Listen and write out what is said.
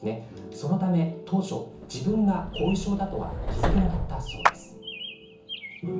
そのため当初自分が後遺症だとは気付けなかったそうです。